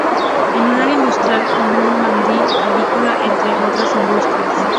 Es un área industrial con una Mandi agrícola entre otras industrias.